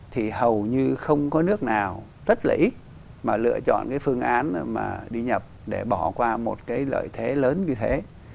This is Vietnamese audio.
thì hầu như không có nước nào rất là ít mà lựa chọn cái phương án mà đi nhập để bỏ qua một cái lợi thế lớn như thế